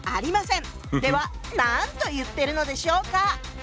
では何と言っているのでしょうか。